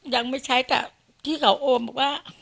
ยังไม่ใช้กับที่เขาโอนบอกว่า